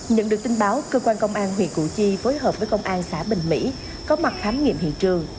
nhận được tin báo cơ quan công an huyện củ chi phối hợp với công an xã bình mỹ có mặt khám nghiệm hiện trường